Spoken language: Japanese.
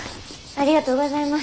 ありがとうございます。